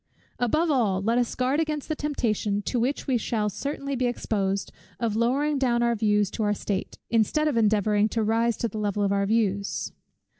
Above all, let us guard against the temptation, to which we shall certainly be exposed, of lowering down our views to our state, instead of endeavouring to rise to the level of our views.